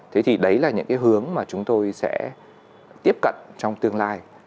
thế thì đấy là những cái hướng mà chúng tôi sẽ tiếp cận trong tương lai